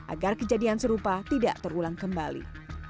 agar kejadian serupa tidak terulang kembali